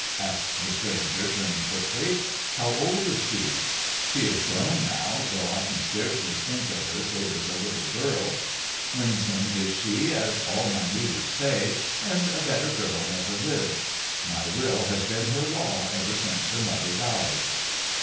asked the stranger turning quickly. "How old is she?" "She is grown now, though I can scarcely think of her save as a little girl. Winsome is she, as all my neighbours say, and a better girl never lived. My will has been her law ever since her mother died."